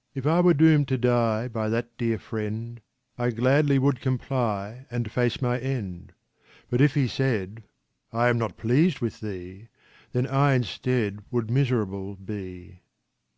" If I were doomed to die by that dear Friend, I gladly would comply and face my end ; But if he said " I am not pleased with thee," Then I instead would miserable be.